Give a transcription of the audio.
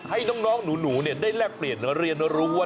ให้น้องหนูได้แลกเปลี่ยนหรือเรียนรู้ว่า